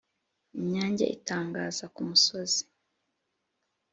inyange itangaza ku musozi